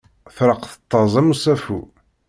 Treqq tettaẓ am usafu.